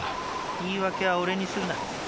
言い訳は俺にするな。